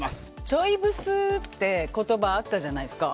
ちょいブスって言葉あったじゃないですか。